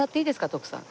徳さん！